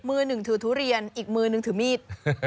มือหนึ่งถือทุเรียนอีกมือนึงถือมีด